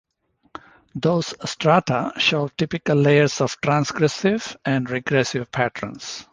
Those strata show typical layers of transgressive and regressive patterns.